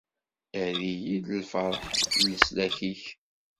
Err-iyi-d lferḥ n leslak-ik.